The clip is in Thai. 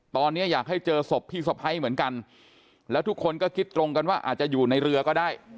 ตอนนี้อยากให้เจอศพพี่สะพ้ายเหมือนกันแล้วทุกคนก็คิดตรงกันว่าอาจจะอยู่ในเรือก็ได้